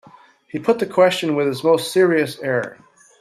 He put the question with his most serious air.